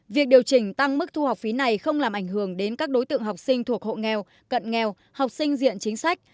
việc điều chỉnh tăng mức thu học phí này không làm ảnh hưởng đến các đối tượng học sinh thuộc hộ nghèo cận nghèo học sinh diện chính sách